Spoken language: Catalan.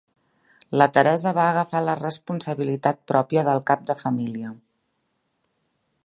La Teresa va agafar la responsabilitat pròpia del cap de família.